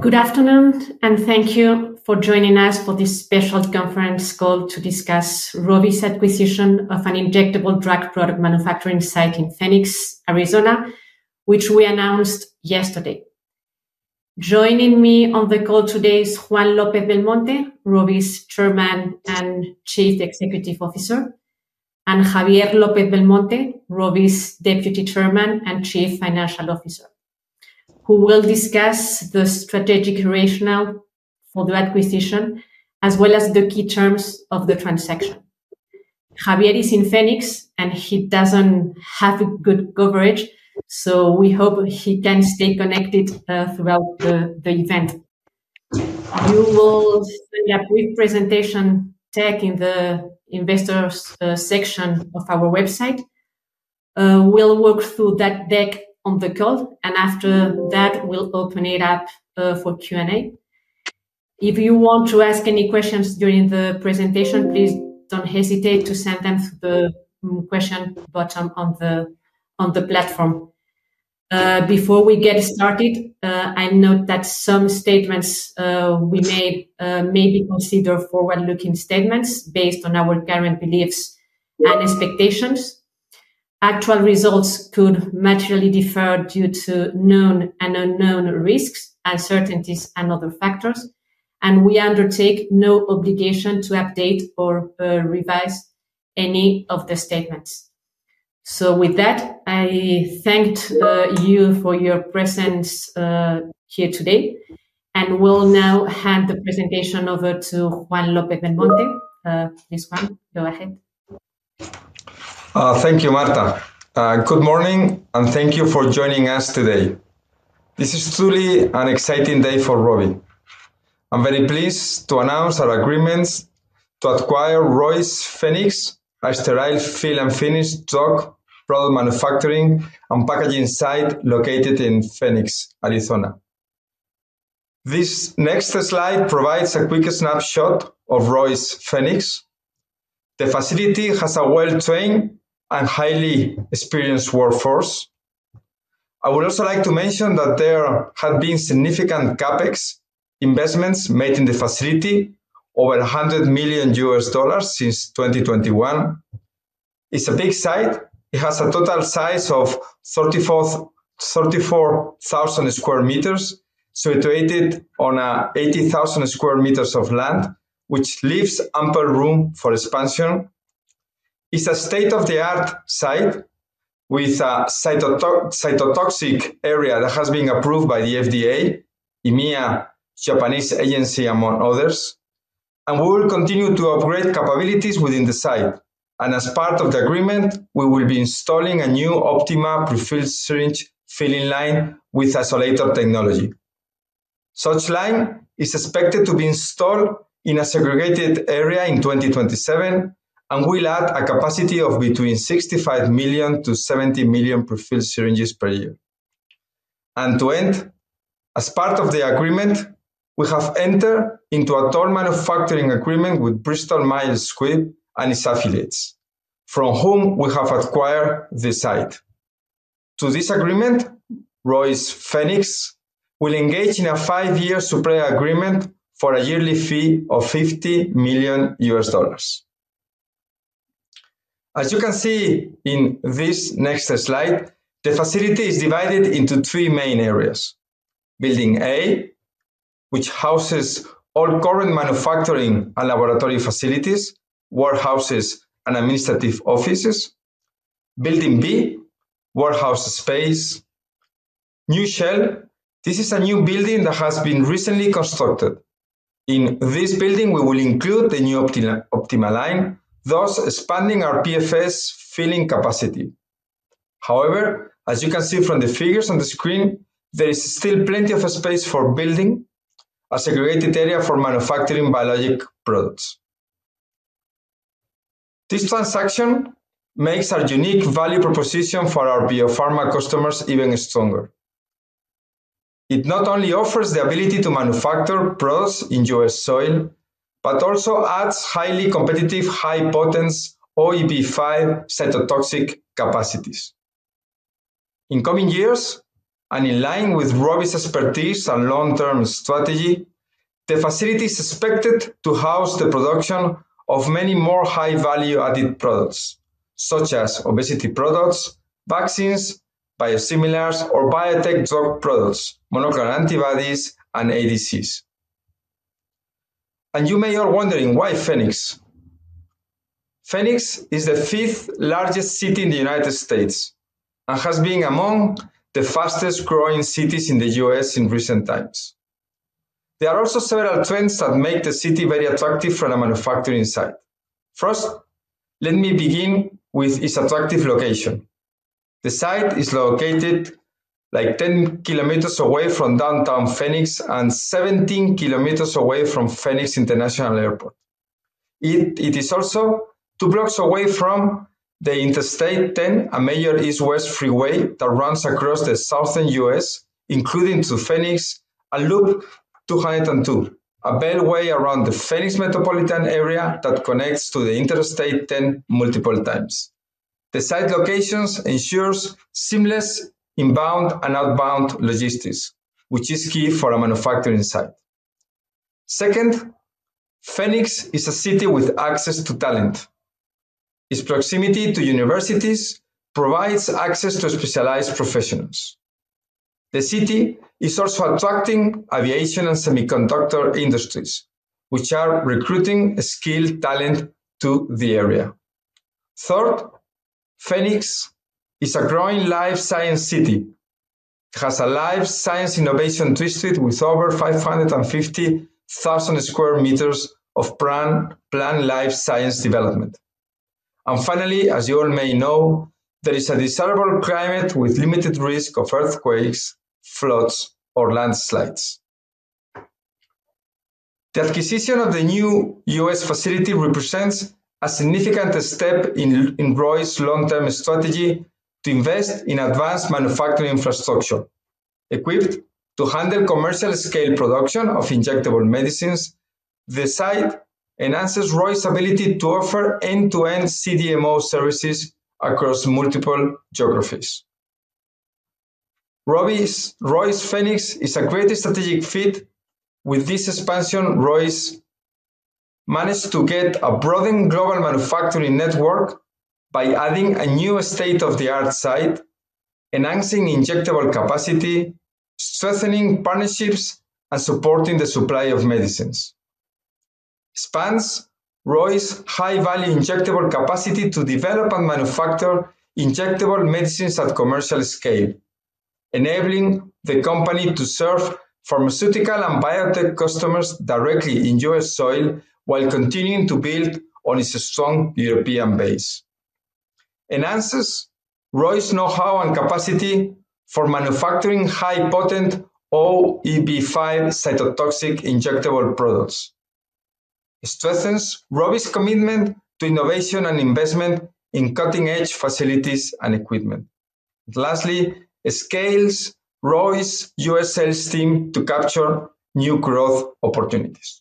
Good afternoon and thank you for joining us for this special conference call to discuss ROVI's acquisition of an injectable drug product manufacturing site in Phoenix, Arizona, which we announced yesterday. Joining me on the call today is Juan López-Belmonte, ROVI's Chairman and Chief Executive Officer, and Javier López-Belmonte, ROVI's Deputy Chairman and Chief Financial Officer, who will discuss the strategic rationale for the acquisition as well as the key terms of the transaction. Javier is in Phoenix and he doesn't have good coverage, so we hope he can stay connected throughout the event. You will find the presentation in the Investors section of our website. We'll walk through that deck on the call and after that we'll open it up for Q&A. If you want to ask any questions during the presentation, please don't hesitate to send them through the question button on the platform. Before we get started, I note that some statements we make may be considered forward-looking statements based on our current beliefs and expectations. Actual results could materially differ due to known and unknown risks, uncertainties, and other factors, and we undertake no obligation to update or revise any of the statements. Thank you for your presence here today and we'll now hand the presentation over to Juan López-Belmonte. Juan, go ahead. Thank you. Marta, good morning and thank you for joining us today. This is truly an exciting day for ROVI. I'm very pleased to announce our agreements to acquire ROIS Phoenix, a fill and finish stock product manufacturing and packaging site located in Phoenix, Arizona. This next slide provides a quick snapshot of ROIS Phoenix. The facility has a well-trained and highly experienced workforce. I would also like to mention that there have been significant CapEx investments made in the facility, over $100 million since 2021. It's a big site. It has a total size of 34,000 sq m, situated on 80,000 sq m of land, which leaves ample room for expansion. It's a state-of-the-art site with a cytotoxic area that has been approved by the FDA, EMA, Japanese agency, among others, and we will continue to upgrade capabilities within the site. As part of the agreement, we will be installing a new Optima prefilled syringe filling line with isolator technology. Such line is expected to be installed in a segregated area in 2027 and will add a capacity of between 65 million-70 million prefilled syringes per year. As part of the agreement, we have entered into a toll manufacturing agreement with Bristol Myers Squibb and its affiliates, from whom we have acquired the site. Through this agreement, ROIS Phoenix will engage in a five-year supply agreement for a yearly fee of $50 million. As you can see in this next slide, the facility is divided into three main areas. Building A, which houses all current manufacturing and laboratory facilities, warehouses, and administrative offices. Building B, warehouse space, new shell. This is a new building that has been recently constructed. In this building, we will include the new Optima line, thus expanding our PFS filling capacity. However, as you can see from the figures on the screen, there is still plenty of space for building a segregated area for manufacturing biologic products. This transaction makes our unique value proposition for our biopharma customers even stronger. It not only offers the ability to manufacture products in U.S. soil, but also adds highly competitive high-potency OEB5 cytotoxic capacities. In coming years and in line with ROVI's expertise and long-term strategy, the facility is expected to house the production of many more high value-added products such as obesity products, vaccines, biosimilars or biotech drug products, monoclonal antibodies, and ADCs. You may all be wondering why Phoenix. Phoenix is the fifth largest city in the United States and has been among the fastest growing cities in the U.S. in recent times. There are also several trends that make the city very attractive from a manufacturing site perspective. First, let me begin with its attractive location. The site is located about 10 km away from downtown Phoenix and 17 km away from Phoenix International Airport. It is also two blocks away from the Interstate 10, a major east-west freeway that runs across the southern U.S., including through Phoenix, and Loop 202, a beltway around the Phoenix metropolitan area that connects to the Interstate 10 multiple times. The site location ensures seamless inbound and outbound logistics, which is key for a manufacturing site. Second, Phoenix is a city with access to talent. Its proximity to universities provides access to specialized professionals. The city is also attracting aviation and semiconductor industries, which are recruiting skilled talent to the area. Third, Phoenix is a growing life science city. It has a life science innovation district with over 550,000 sq m of planned life science development. Finally, as you all may know, there is a desirable climate with limited risk of earthquakes, floods, or landslides. The acquisition of the new U.S. facility represents a significant step in ROIS' long-term strategy to invest in advanced manufacturing infrastructure equipped to handle commercial scale production of injectable medicines. The site enhances ROIS' ability to offer end-to-end CDMO services across multiple geographies. ROIS Phoenix is a great strategic fit. With this expansion, ROIS managed to get a broadened global manufacturing network by adding a new state-of-the-art site, enhancing injectable capacity, strengthening partnerships, and supporting the supply of medicines. This spans ROIS' high value injectable capacity to develop and manufacture injectable medicines at commercial scale, enabling the company to serve pharmaceutical and biotech customers directly on U.S. soil while continuing to build on its strong European base. It enhances ROIS' know-how and capacity for manufacturing high-potency OEB5 cytotoxic injectable products, and strengthens ROVI's commitment to innovation and investment in cutting-edge facilities and equipment. Lastly, it scales ROIS' U.S. team to capture new growth opportunities.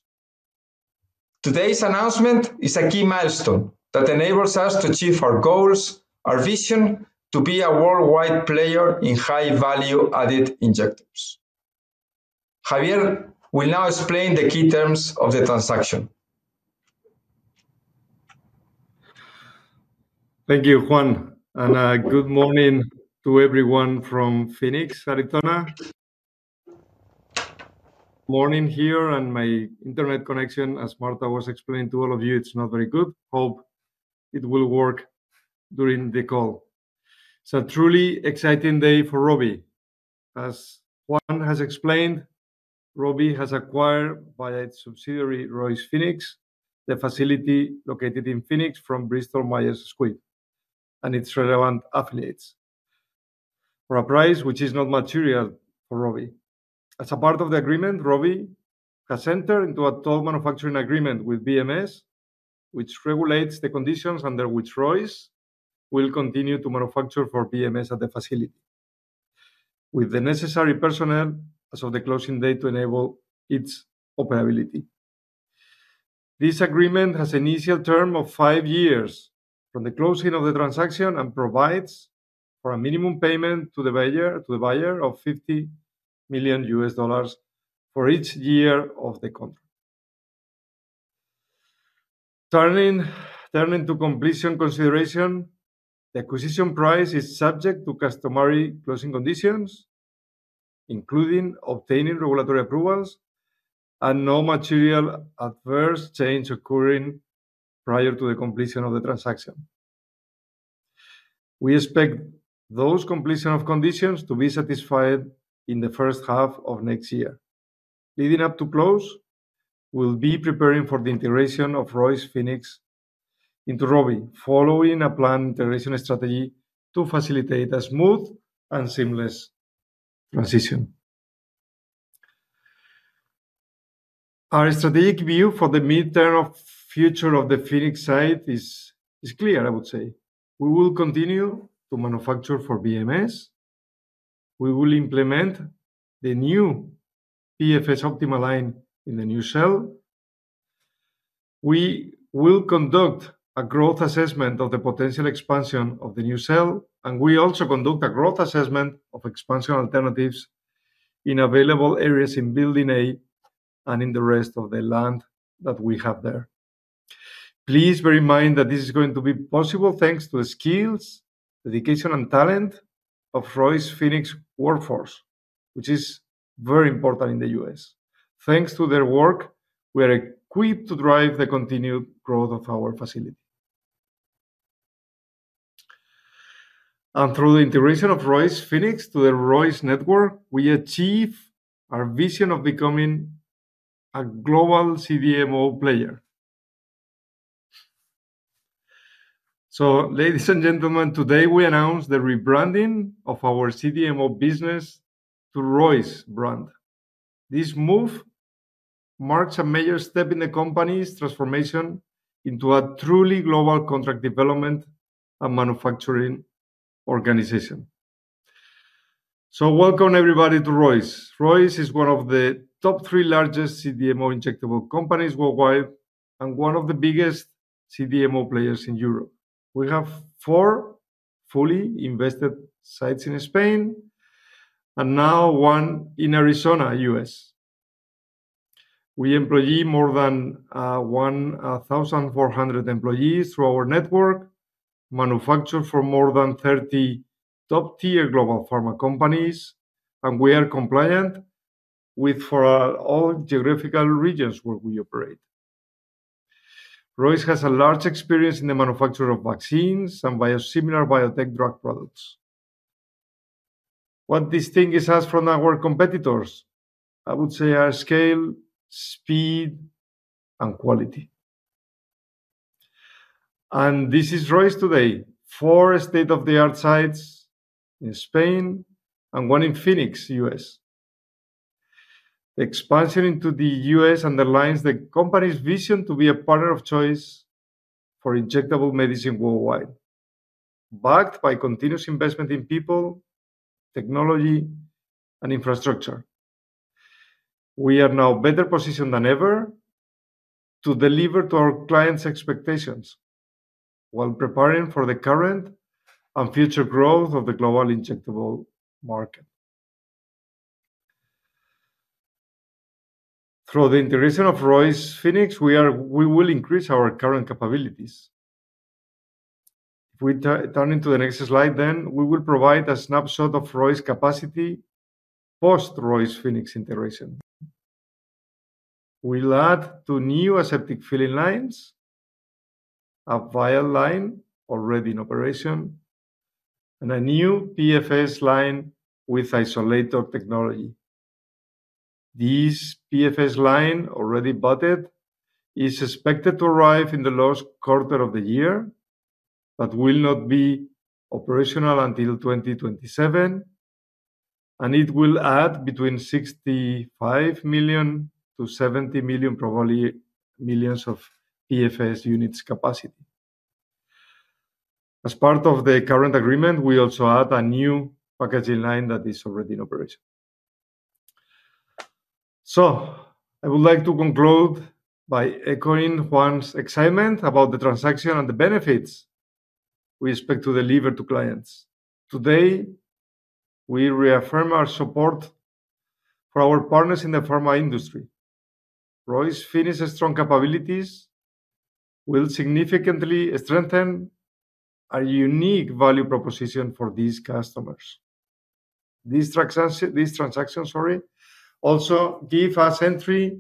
Today's announcement is a key milestone that enables us to achieve our goals, our vision to be a worldwide player in high value added injectors. Javier will now explain the key terms of the transaction. Thank you, Juan, and good morning to everyone from Phoenix, Arizona. Morning here and my Internet connection, as Marta was explaining to all of you, is not very good. Hope it will work during the call. It's a truly exciting day for ROVI. As Juan has explained, ROVI has acquired by its subsidiary ROIS Phoenix the facility located in Phoenix from Bristol Myers Squibb and its relevant affiliates for a price which is not material for ROVI. As a part of the agreement, ROVI has entered into a toll manufacturing agreement with BMS which regulates the conditions under which ROIS will continue to manufacture for BMS at the facility with the necessary personnel as of the closing date to enable its operability. This agreement has an initial term of five years from the closing of the transaction and provides for a minimum payment to the buyer of $50 million for each year of the contract. Turning to completion consideration, the acquisition price is subject to customary closing conditions including obtaining regulatory approvals and no material adverse change occurring prior to the completion of the transaction. We expect those completion conditions to be satisfied in the first half of next year leading up to close. We'll be preparing for the integration of ROIS Phoenix into ROVI following a planned integration strategy to facilitate a smooth and seamless transition. Our strategic view for the midterm future of the Phoenix site is clear. I would say we will continue to manufacture for BMS. We will implement the new PFS Optima filling line in the new cell. We will conduct a growth assessment of the potential expansion of the new cell and we also conduct a growth assessment of expansion alternatives in available areas in Building A and in the rest of the land that we have there. Please bear in mind that this is going to be possible thanks to the skills, dedication, and talent of ROIS Phoenix workforce which is very important in the U.S. Thanks to their work, we are equipped to drive the continued growth of our facility. Through the integration of ROIS Phoenix to the ROIS network, we achieve our vision of becoming a global CDMO player. Today we announce the rebranding of our CDMO business to ROIS brand. This move marks a major step in the company's transformation into a truly global contract development and manufacturing organization. Welcome everybody to ROIS. ROIS is one of the top three largest CDMO injectable companies worldwide and one of the biggest CDMO players in Europe. We have four fully invested sites in Spain and now one in Arizona, U.S. We employ more than 1,400 employees through our network, manufacture for more than 30 top-tier global pharma companies, and we are compliant with all geographical regions where we operate. ROIS has a large experience in the manufacture of vaccines and biosimilar biotech drug products. What distinguishes us from our competitors, I would say, are scale, speed, and quality. This is ROIS today: four state-of-the-art sites in Spain and one in Phoenix, U.S. Expansion into the U.S. underlines the company's vision to be a partner of choice for injectable medicine worldwide. Backed by continuous investment in people, technology, and infrastructure, we are now better positioned than ever to deliver to our clients' expectations while preparing for the current and future growth of the global injectable market. Through the integration of ROIS Phoenix, we will increase our current capabilities. If we turn to the next slide, we will provide a snapshot of ROIS' capacity. Post ROIS Phoenix integration, we'll add two new aseptic filling lines: a vial line already in operation and a new PFS line with isolator technology. This PFS line, already budgeted, is expected to arrive in the last quarter of the year but will not be operational until 2027. It will add between 65 million-70 million PFS units capacity. As part of the current agreement, we also add a new packaging line that is already in operation. I would like to conclude by echoing Juan's excitement about the transaction and the benefits we expect to deliver to clients. Today we reaffirm our support for our partners in the pharma industry. ROIS' finished strong capabilities will significantly strengthen a unique value proposition for these customers. These transactions also give us entry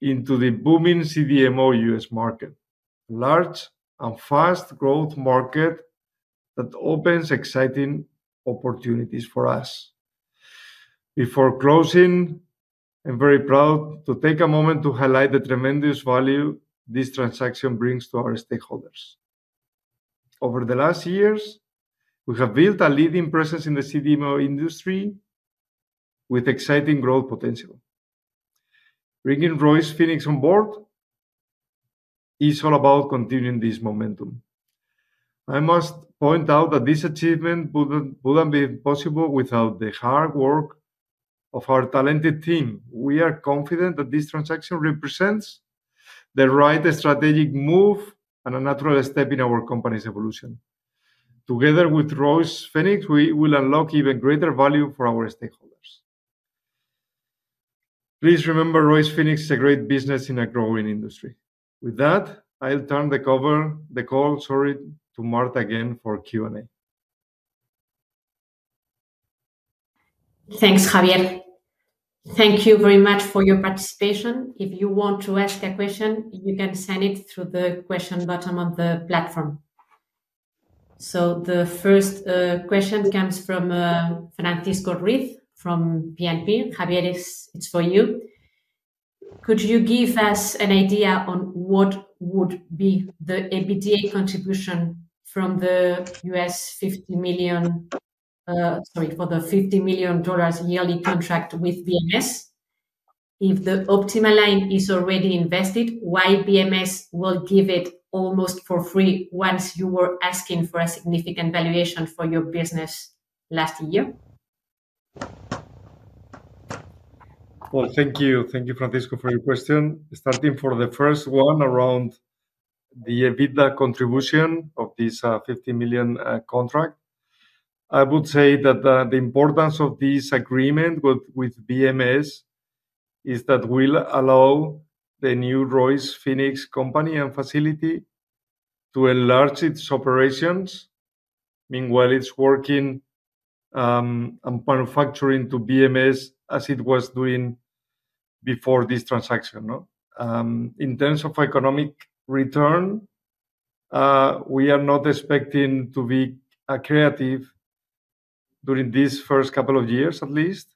into the booming CDMO U.S. market, a large and fast growth market that opens exciting opportunities for us. Before closing, I'm very proud to take a moment to highlight the tremendous value this transaction brings to our stakeholders. Over the last years, we have built a leading presence in the CDMO industry with exciting growth potential. Bringing ROIS Phoenix on board is all about continuing this momentum. I must point out that this achievement wouldn't be possible without the hard work of our talented team. We are confident that this transaction represents the right strategic move and a natural step in our company's evolution. Together with ROIS Phoenix, we will unlock even greater value for our stakeholders. Please remember, ROIS Phoenix is a great business in a growing industry. With that, I'll turn the call to Marta again for Q and A. Thanks, Javier. Thank you very much for your participation. If you want to ask a question, you can send it through the question button on the platform. The first question comes from Francisco Ruiz from PNP. Javier, it's for you. Could you give us an idea on what would be the EBITDA contribution from the U.S.? $50 million. Sorry? For the $50 million yearly contract with BMS. If the Optima line is already invested, why would BMS give it almost for free, once you were asking for a significant valuation for your business last year. Thank you. Thank you Francisco for your question. Starting for the first one around the EBITDA contribution of this $50 million contract, I would say that the importance of this agreement with BMS is that it will allow the new ROIS Phoenix company and facility to enlarge its operations, meanwhile it's working manufacturing to BMS as it was doing before this transaction. In terms of economic return, we are not expecting to be accretive during these first couple of years at least.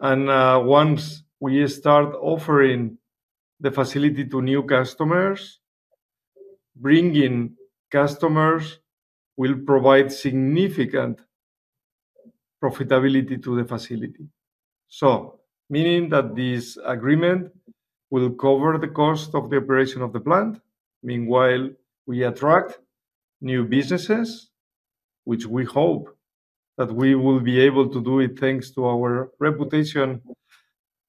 Once we start offering the facility to new customers, bringing customers will provide significant profitability to the facility. This agreement will cover the cost of the operation of the plant. Meanwhile, we attract new businesses, which we hope that we will be able to do thanks to our reputation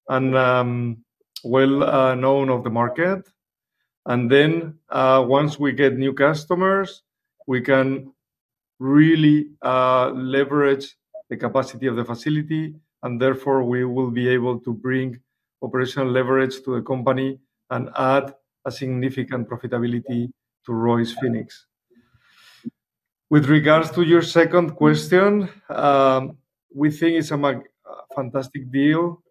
and well known of the market. Once we get new customers, we can really leverage the capacity of the facility and therefore we will be able to bring operational leverage to the company and add significant profitability to ROIS Phoenix. With regards to your second question, we think it's a fantastic deal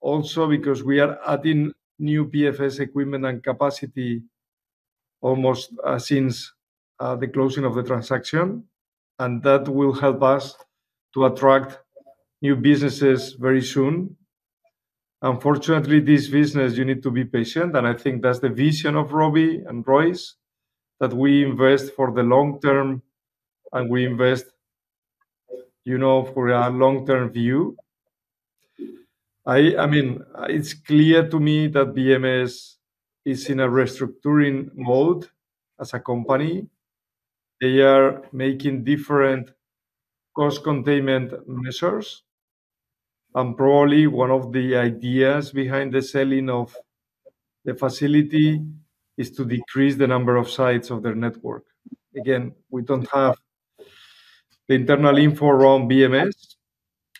also because we are adding new PFS equipment and capacity almost since the closing of the transaction. That will help us to attract new businesses very soon. Unfortunately, this business, you need to be patient. I think that's the vision of ROVI and ROIS, that we invest for the long term and we invest for a long term view. It's clear to me that BMS is in a restructuring mode. As a company, they are making different cost containment measures and probably one of the ideas behind the selling of the facility is to decrease the number of sites of their network. We don't have the internal info around BMS.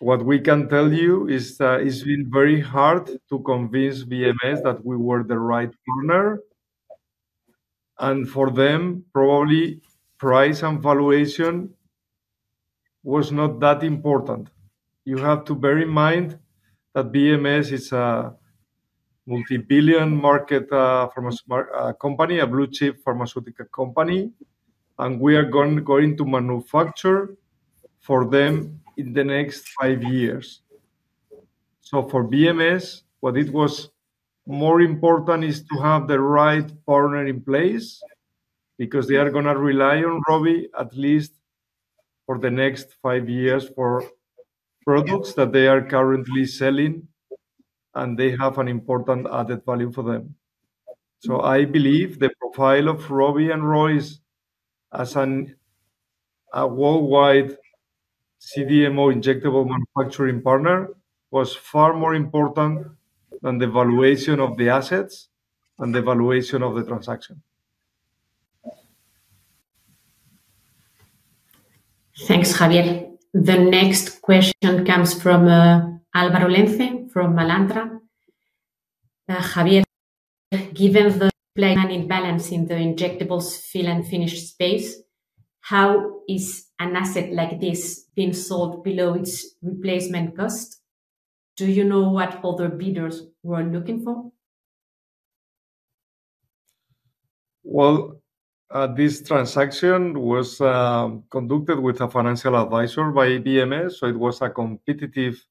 What we can tell you is it's been very hard to convince BMS that we were the right owner and for them probably price and valuation was not that important. You have to bear in mind that BMS is a multibillion market company, a blue chip pharmaceutical company and we are going to manufacture for them in the next five years. For BMS, what was more important is to have the right partner in place because they are going to rely on ROVI at least for the next five years for products that they are currently selling and they have an important added value for them. I believe the profile of ROVI and ROIS as a worldwide CDMO injectable manufacturing partner was far more important than the valuation of the assets and the valuation of the transaction. Thanks, Javier. The next question comes from Álvaro Lenze from Alantra. Javier, given the planning balance in the injectables fill and finish space, how is an asset like this being sold below its replacement cost? Do you know what other bidders were looking for? This transaction was conducted with a financial advisor by BMS. It was a competitive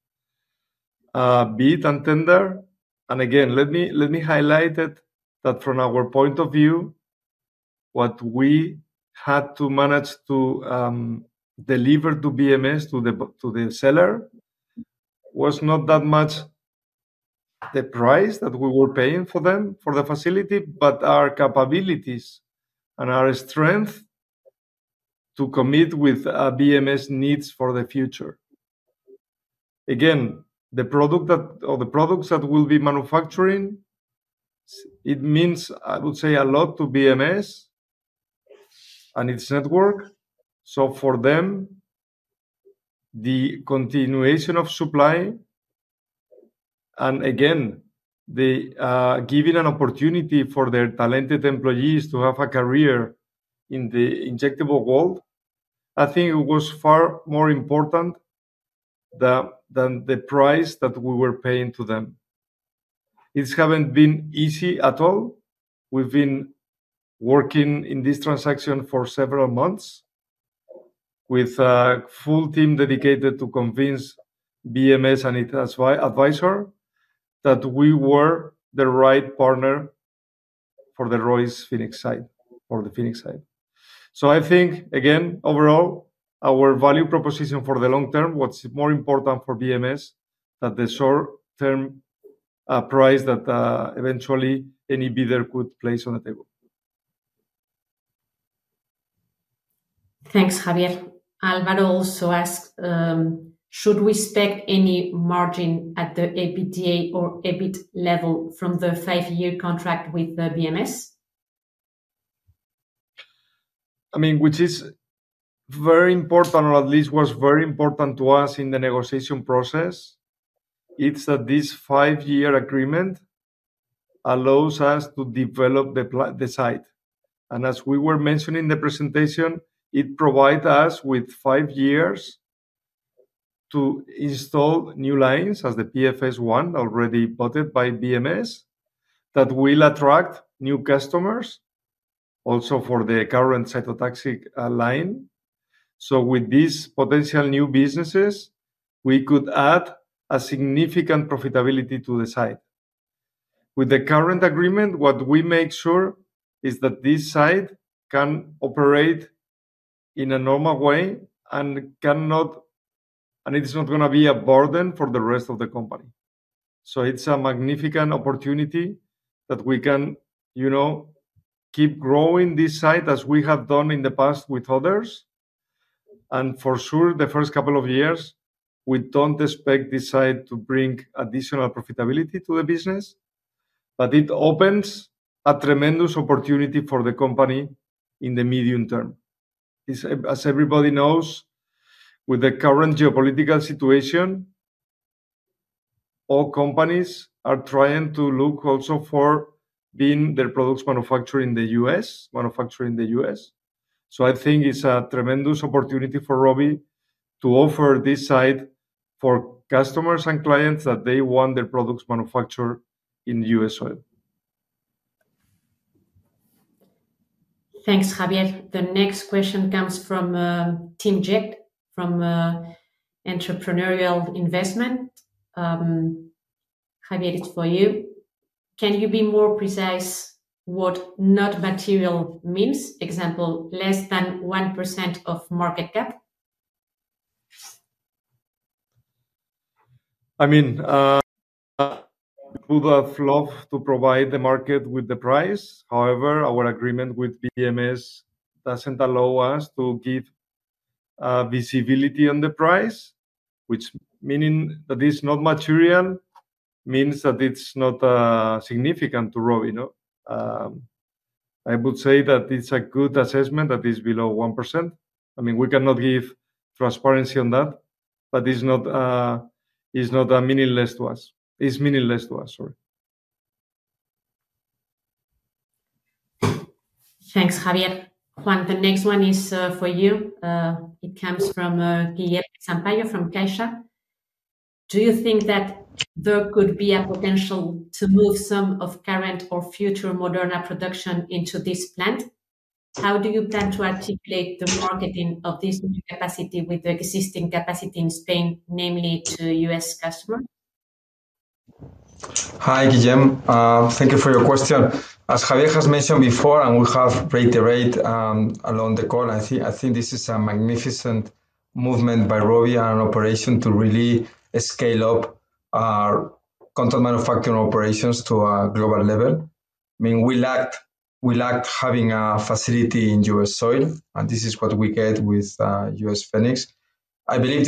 bid and tender. Again, let me highlight that from our point of view, what we had to manage to deliver to BMS, to the seller, was not that much the price that we were paying for the facility, but our capabilities and our strength to commit with BMS needs for the future. The product or the products that will be manufacturing, it means a lot to BMS and its network. For them, the continuation of supply and giving an opportunity for their talented employees to have a career in the injectable world was far more important than the price that we were paying to them. It hasn't been easy at all. We've been working on this transaction for several months with a full team dedicated to convince BMS and its advisor that we were the right partner for the ROIS Phoenix site, for the Phoenix site. Overall, our value proposition for the long term was more important for BMS than the short-term price that eventually any bidder could place on the table. Thanks, Javier. Alvaro also asked, should we stack any margin at the EBITDA or EBIT level from the five-year contract with the BMS? I mean, which is very important or at least was very important to us in the negotiation process, it's that this five-year agreement allows us to develop the site and, as we were mentioning in the presentation, it provides us with five years to install new lines, as the PFS one already bought by BMS. That will attract new customers also for the current cytotoxic line. With these potential new businesses, we could add significant profitability to the site. With the current agreement, what we make sure is that this site can operate in a normal way and it is not going to be a burden for the rest of the company. It's a magnificent opportunity that we can, you know, keep growing this site as we have done in the past with others, and for sure the first couple of years we don't expect this site to bring additional profitability to the business, but it opens a tremendous opportunity for the company in the medium term. As everybody knows, with the current geopolitical situation, all companies are trying to look also for being their products manufacturing in the U.S., manufacturing in the U.S., so I think it's a tremendous opportunity for ROVI to offer this site for customers and clients that they want their products manufactured in the U.S. as well. Thanks, Javier. The next question comes from Tim Jeck from Entrepreneurial Investment. Javier, it's for you. Can you be more precise what not material means? Example, less than 1% of market cap. I mean would have loved to provide the market with the price. However, our agreement with BMS doesn't allow us to give visibility on the price, which meaning that it's not material means that it's not significant to ROVI. I would say that it's a good assessment that is below 1%. I mean we cannot give transparency on that. It's not meaningless to us. It's meaningless to us. Sorry. Thanks, Javier. Juan, the next one is for you. It comes from Guillerm Sampayo from [Cascha]. Do you think that there could be a potential to move some of current or future Moderna production into this? How do you plan to articulate the marketing of this capacity with the existing capacity in Spain, namely to U.S. customer? Hi Guillerm, thank you for your question. As Javier has mentioned before and we have reiterated along the call, I think this is a magnificent movement by ROVI and operation to really scale up content manufacturing operations to a global level. I mean we lacked having a facility in U.S. soil and this is what we get with U.S. Phoenix. I believe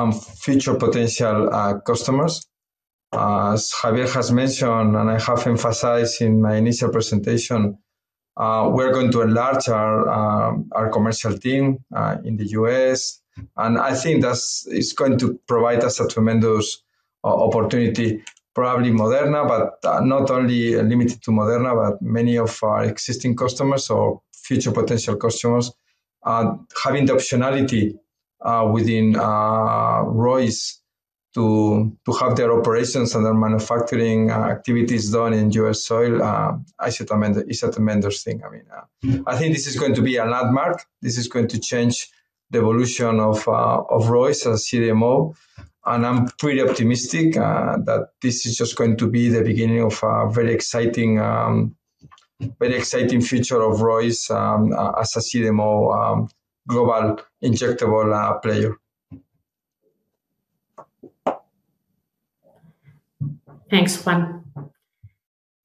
this is going to be a very attractive alternative to all our existing future potential customers. As Javier has mentioned and I have emphasized in my initial presentation, we're going to enlarge our commercial team in the U.S. I think that is going to provide us a tremendous opportunity. Probably Moderna, but not only limited to Moderna, but many of our existing customers or future potential customers having the optionality within ROIS to have their operations and their manufacturing activities done in U.S. soil I should amend is a tremendous thing. I mean, I think this is going to be a landmark. This is going to change the evolution of ROIS as CDMO. I'm pretty optimistic that this is just going to be the beginning of. A. Very exciting future of ROIS as a CDMO global injectable player. Thanks, Juan.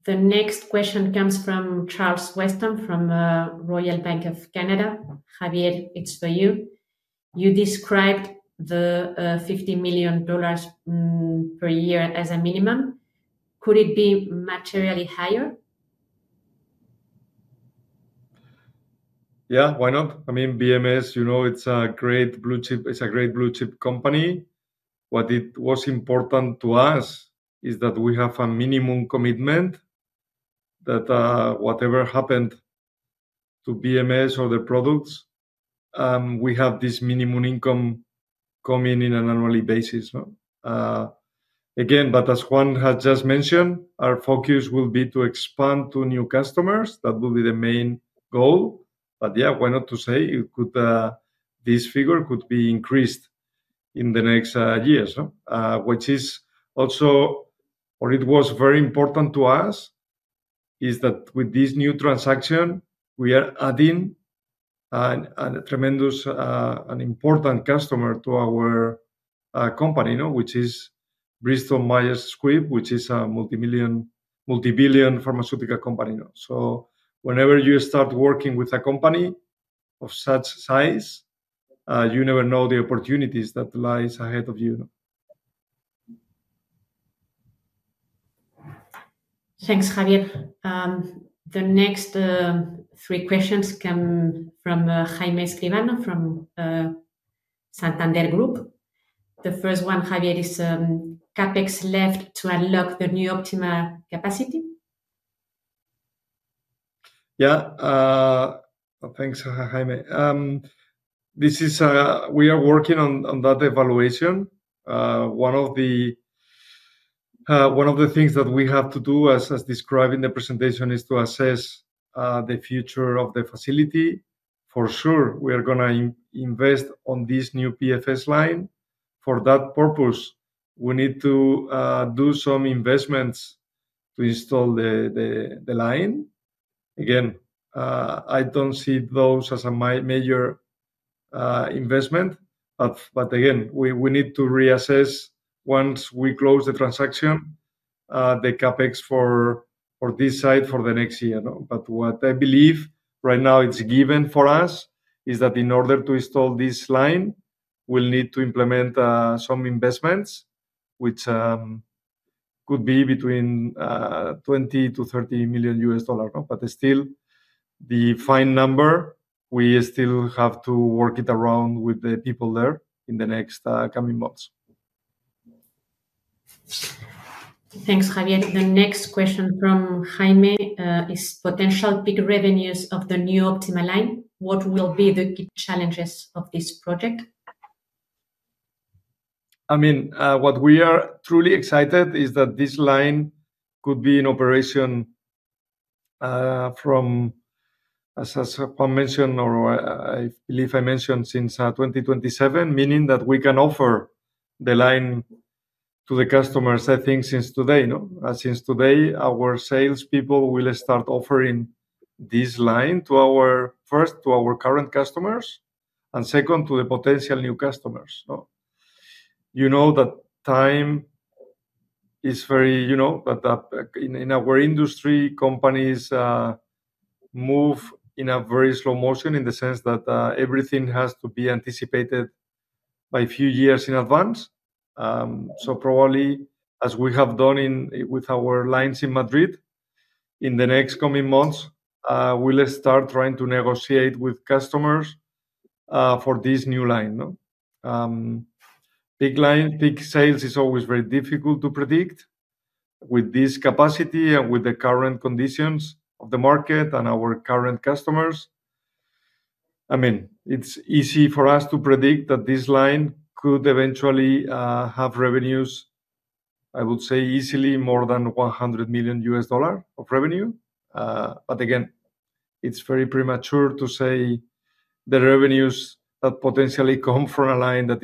The next question comes from Charles Weston from Royal Bank of Canada. Javier, it's for you. You described the $50 million per year as a minimum. Could it be materially higher? Yeah, why not? I mean, BMS, you know, it's a great blue chip. It's a great blue chip company. What was important to us is that we have a minimum commitment that whatever happened to BMS or the products, we have this minimum income coming in on an annual basis. Again, as Juan had just mentioned, our focus will be to expand to new customers. That will be the main goal. Yeah, why not say this figure could be increased in the next years, which is also. What was very important to us is that with this new transaction we are adding a tremendous and important customer to our company, which is Bristol Myers Squibb, which is a multibillion pharmaceutical company. Whenever you start working with a company of such size, you never know the opportunities that lie ahead of you. Thanks, Javier. The next three questions come from Jaime Escribano from Santander Group. The first one, Javier, is CapEx left to unlock the new Optima capacity? Yeah, thanks Jaime. We are working on that evaluation. One of the things that we have to do, as described in the presentation, is to assess the future of the facility. For sure, we are going to invest in this new PFS line for that purpose. We need to do some investments to install the line. I don't see those as a major investment, but we need to reassess once we close the transaction the CapEx for this site for the next year. What I believe right now is that in order to install this line, we will need to implement some investments which could be between $20 million-$30 million. The final number, we still have to work it around with the people there in the next coming months. Thanks, Javier. The next question from Jaime is potential peak revenues of the new Optima line. What will be the key challenges of this project? I mean what we are truly excited is that this line could be in operation from, as mentioned, or I believe I mentioned, since 2027. Meaning that we can offer the line to the customer since today. Since today our salespeople will start offering this line to our, first, to our current customers and, second, to the potential new customers. You know that time is very, you know, in our industry companies move in a very slow motion in the sense that everything has to be anticipated by a few years in advance. Probably, as we have done with our lines in Madrid, in the next coming months we'll start trying to negotiate with customers for this new line. Peak sales is always very difficult to predict. With this capacity and with the current conditions of the market and our current customers, I mean it's easy for us to predict that this line could eventually have revenues, I would say, easily more than $100 million of revenue. Again, it's very premature to say the revenues that potentially come from a line that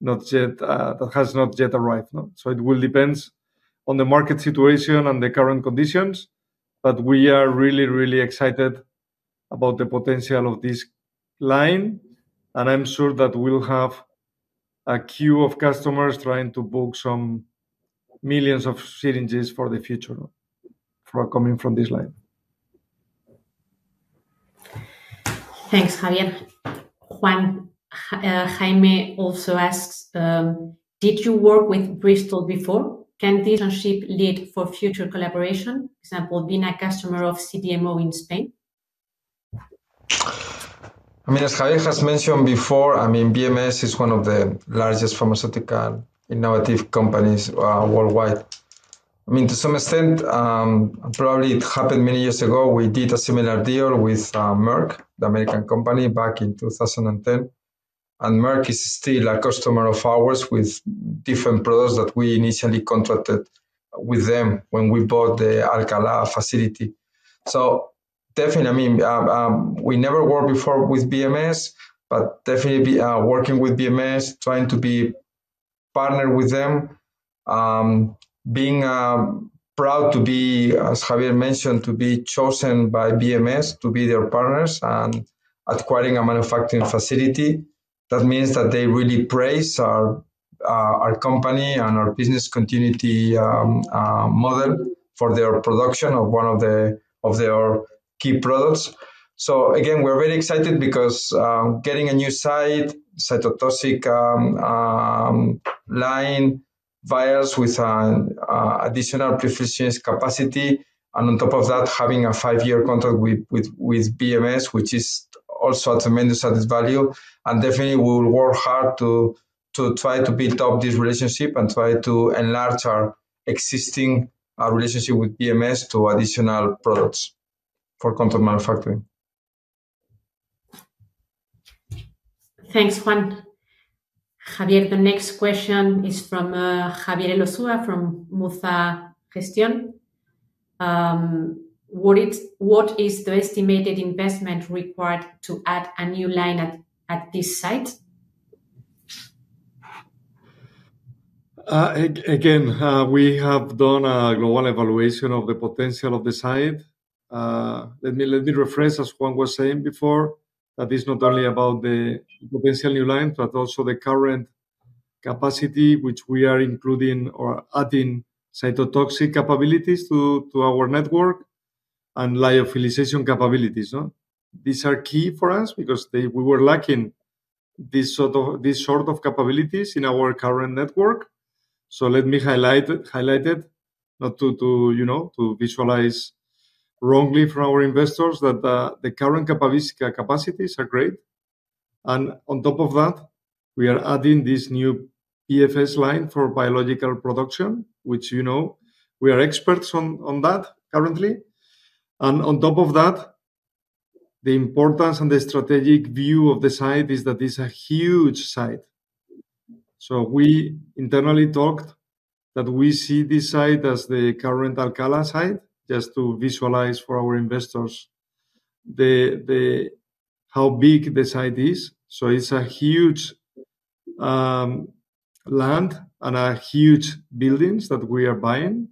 is not yet, that has not yet arrived. It will depend on the market situation and the current conditions. We are really, really excited about the potential of this line and I'm sure that we'll have a queue of customers trying to book some millions of syringes for the future coming from this line. Thanks, Javier. Juan, Jaime also asks, did you work with Bristol before? Can this ship lead for future collaboration? Example being a customer of CDMO in Spain. As Javier has mentioned before, BMS is one of the largest pharmaceutical innovative companies worldwide. To some extent, probably it happened many years ago. We did a similar deal with Merck, the American company, back in 2010, and Merck is still a customer of ours with different products that we initially contracted with them when we bought the Alcalá facility. We never worked before with BMS, but definitely working with BMS, trying to be partnered with them, being proud to be, as Javier mentioned, to be chosen by BMS to be their partners and acquiring a manufacturing facility, that means that they really praise our company and our business continuity model for their production of one of their key products. We are very excited because getting a new site, cytotoxic line vials with an additional prefilled syringe capacity, and on top of that having a five-year contract with BMS, which is also tremendous at its value. We will work hard to try to build up this relationship and try to enlarge our existing relationship with BMS to additional products for contract manufacturing. Thanks, Juan. Javier. The next question is from Javier Elozua from MUZA GESTIÓN. What is the estimated investment required to add a new line at this site? We have done a global evaluation of the potential of the site. As Juan was saying before, it is not only about the potential new lines but also the current capacity, which includes adding cytotoxic capabilities to our network and lyophilization capabilities. These are key for us because we were lacking this sort of capabilities in our current network. I want to highlight this, not to visualize wrongly for our investors, that the current capacities are great. On top of that, we are adding this new PFS line for biological production, which we are experts on currently. The importance and the strategic view of the site is that this is a huge site. Internally, we say that we see this site as the current Alcalá site, just to visualize for our investors how big the site is. It is a huge land and huge buildings that we are buying.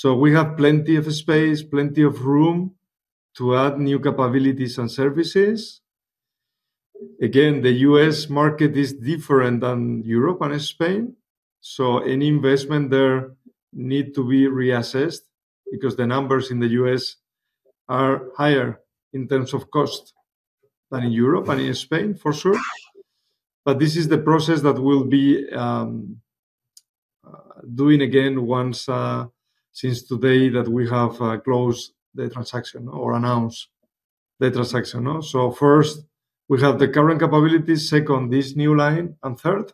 We have plenty of space, plenty of room to add new capabilities and services. The U.S. market is different than Europe and Spain. Any investment there needs to be reassessed because the numbers in the U.S. are higher in terms of cost than in Europe and in Spain for sure. This is the process that we will be doing again since today that we have closed the transaction or announced the transaction. First, we have the current capabilities. Second, this new line. Third,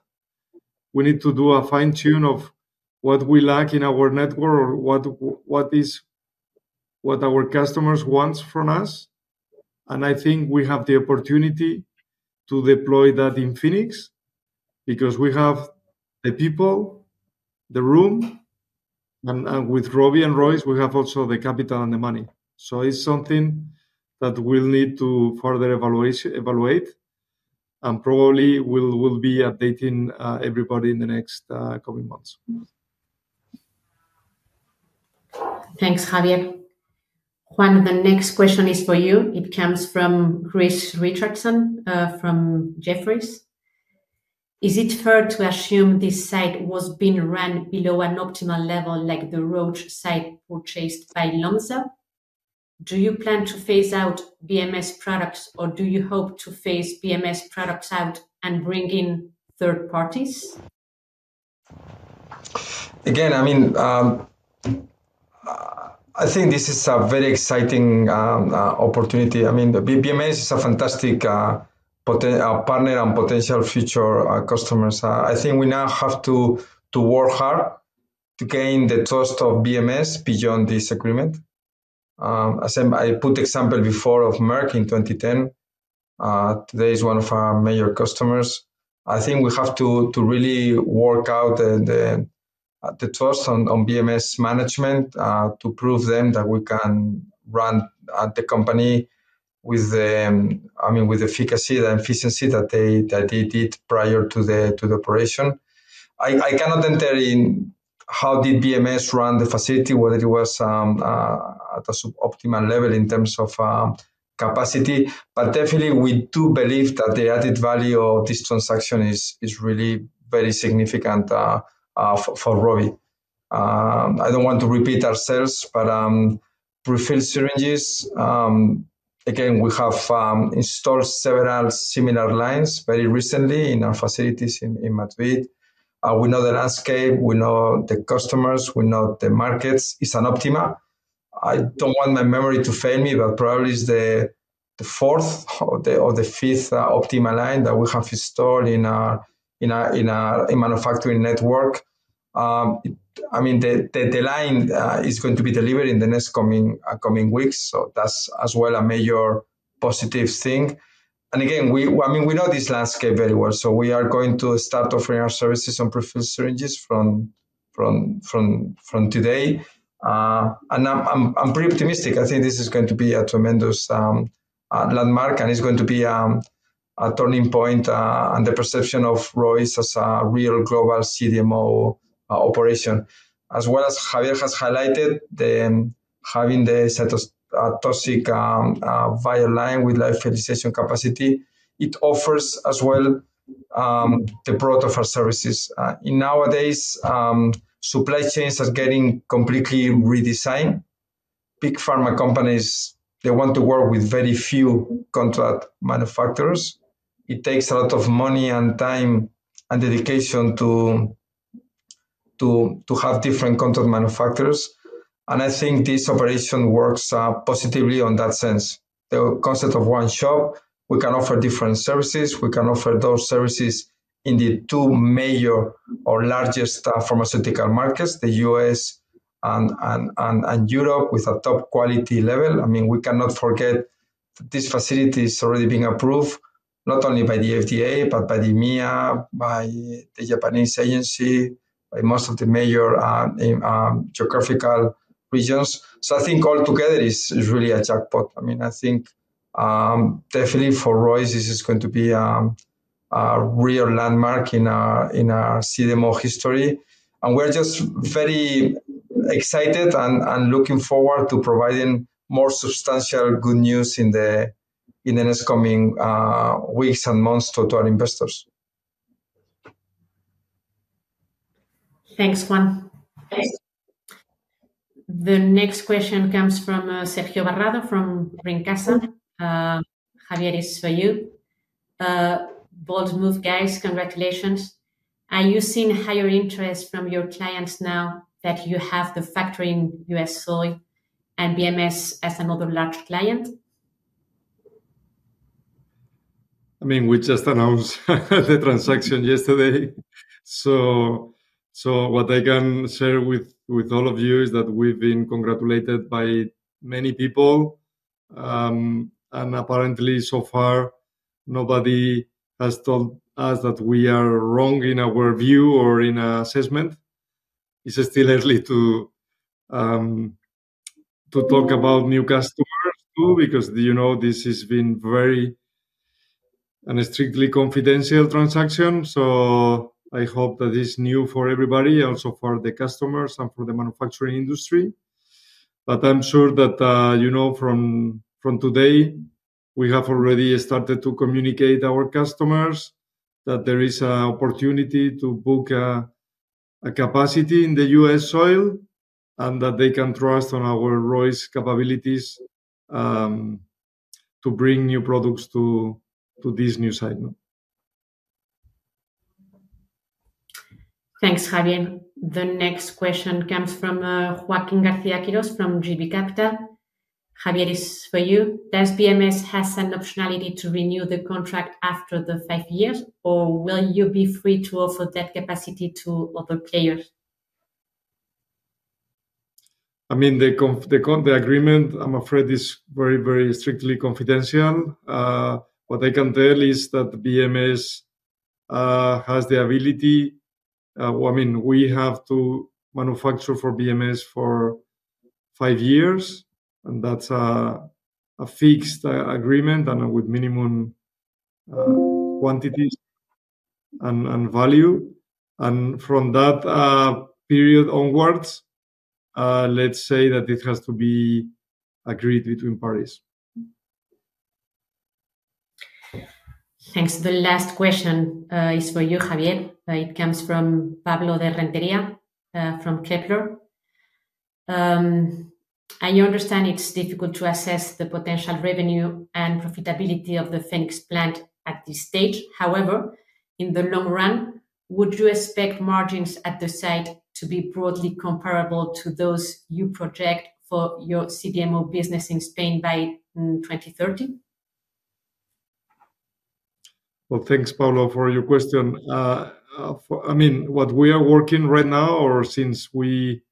we need to do a fine tune of what we lack in our network or what our customers want from us. I think we have the opportunity to deploy that in Phoenix because we have the people, the room, and with ROVI and ROIS, we have also the capital and the money. It is something that we will need to further evaluate and probably will be updating everybody in the next coming months. Thanks, Javier. The next question is for you. It comes from Grace Richardson from Jefferies. Is it fair to assume this site was being run below an optimal level like the Roche site purchased by Lonza? Do you plan to phase out BMS products, or do you hope to phase BMS products out and bring in third parties? I mean, I think this is a very exciting opportunity. BMS is a fantastic partner and potential future customers. I think we now have to work hard to gain the trust of BMS beyond this agreement. I put example before of Merck in 2010; today is one of our major customers. I think we have to really work out the trust on BMS management to prove them that we can run at the company with efficacy, the efficiency that they did prior to the operation. I cannot enter in how did BMS run the facility, whether it was optimal level in terms of capacity. Definitely, we do believe that the added value of this transaction is really very significant for ROVI. I don't want to repeat ourselves, but prefilled syringes again. We have installed several similar lines very recently in our facilities in Madrid. We know that aspect, we know the customers, we know the markets. An Optima. I don't want my memory to fail me, but probably is the fourth or the fifth Optima line that we have installed in manufacturing network. The line is going to be delivered in the next coming weeks. That's as well a major positive thing. We know this last year very well. We are going to start offering our services on prefilled syringes from today. I'm pretty optimistic. I think this is going to be a tremendous landmark and it's going to be a turning point. The perception of ROIS as a real global CDMO operation as well as Javier has highlighted, having the toxic vial line with lyophilization capacity, it offers as well the product of our services. Nowadays, supply chains are getting completely redesigned. Big pharma companies want to work with very few contract manufacturers. It takes a lot of money and time and dedication to have different contract manufacturers. I think this operation works positively on that sense. The concept of one shop, we can offer different services. We can offer those services in the two major or largest pharmaceutical markets, the U.S. and Europe, with a top quality level. We cannot forget this facility is already being approved not only by the FDA, but by the EMA, by the Japanese agency, by most of the major geographical regions. I think all together is really a jackpot. I think definitely for ROIS, this is going to be a real landmark in a CDMO history. We're just very excited and looking forward to providing more substantial good news in the next coming weeks and months to our investors. Thanks, Juan. The next question comes from [Sergio Varrado] from [Ringcastle]. Javier, this is for you. Bold move, guys. Congratulations. Are you seeing higher interest from your clients now that you have the factory in the U.S. soil, and BMS as another large client? I mean, we just announced the transaction yesterday. What I can share with all of you is that we've been congratulated by many people and apparently so far nobody has told us that we are wrong in our view or in an assessment. It's still early to talk about Phoenix because this has been a very and strictly confidential transaction. I hope that is new for everybody, also for the customers and for the manufacturing industry. I'm sure that from today we have already started to communicate to our customers that there is an opportunity to book a capacity in the U.S. soil and that they can trust on our ROIS' capabilities to bring new products to this new site. Thanks, Javier. The next question comes from Joaquin Garcia-Quiros from JB Capital. Javier, this is for you. Does BMS have an optionality to renew the contract after the five years, or will you be free to offer that capacity to local players? I mean the agreement, I'm afraid, is very, very strictly confidential. What I can tell is that BMS has the ability, I mean we have to manufacture for BMS for five years, and that's a fixed agreement with minimum quantity and value. From that period onwards, let's say that it has to be agreed between parties. Thanks. The last question is for you, Javier. It comes from Pablo De Rentería from Kepler. I understand it's difficult to assess the potential revenue and profitability of the Phoenix plant at this stage. However, in the long run, would you expect margins at the site to be broadly comparable to those you project for your CDMO business in Spain by 2030? Thank you, Pablo, for your question. What we are working right now, or since we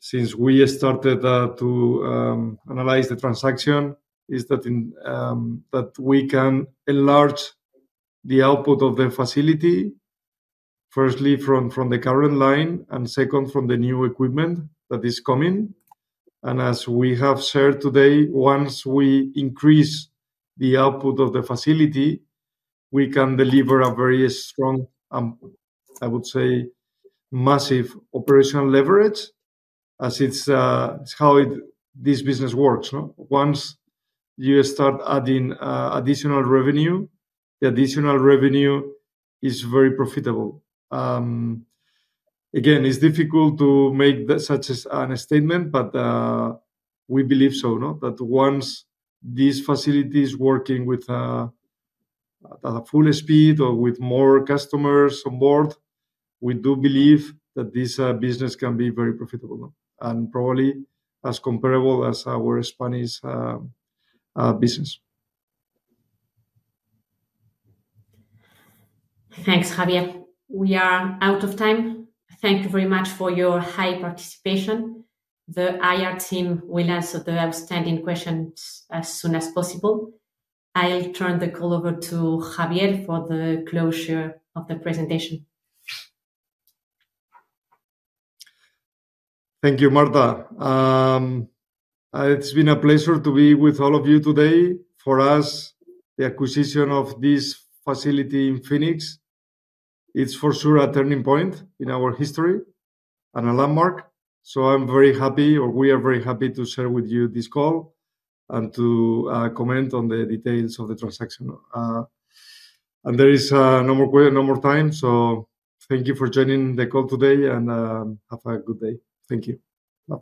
started to analyze the transaction, is that we can enlarge the output of the facility firstly from the current line and second from the new equipment that is coming. As we have shared today, once we increase the output of the facility, we can deliver a very strong, I would say massive operation leverage as it's how this business works. Once you start adding additional revenue, the additional revenue is very profitable. Again, it's difficult to make such a statement, but we believe so that once these facilities working with a full speed or with more customers on board, we do believe that this business can be very profitable and probably as comparable as our Spanish business. Thanks, Javier. We are out of time. Thank you very much for your high participation. The AIA team will answer the outstanding questions as soon as possible. I'll turn the call over to Javier for the closure of the presentation. Thank you, Marta. It's been a pleasure to be with all of you today. For us, the acquisition of this facility in Phoenix is for sure a turning point in our history and a landmark. We are very happy to share with you this call and to comment on the details of the transaction. There is no more question, no more time. Thank you for joining the call today and have a good day. Thank you.